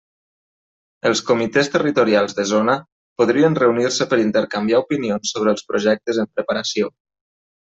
Els Comitès Territorials de zona, podrien reunir-se per intercanviar opinions sobre els projectes en preparació.